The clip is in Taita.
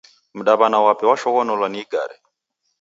Mdaw'ana wape washoghonolwa ni igare.